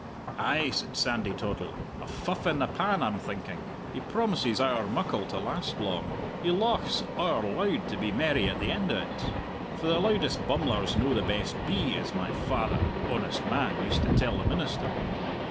"Ay," said Sandy Toddle, "a fuff in the pan, I'm thinking. He promises owre muckle to last long! He lauchs owre loud to be merry at the end o't. For the loudest bummler's no the best bee, as my father, honest man, used to tell the minister."